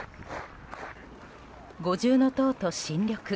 五重塔と新緑。